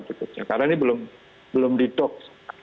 karena ini belum didot